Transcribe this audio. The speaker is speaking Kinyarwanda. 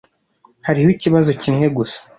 hariho ikibazo kimwe gusa